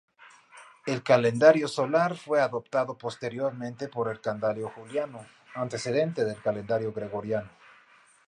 El calendario solar fue adoptado posteriormente por el calendario juliano, antecedente del calendario gregoriano.